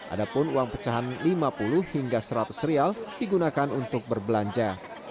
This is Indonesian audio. adapun uang pecahan rp lima puluh hingga rp seratus digunakan untuk berbelanja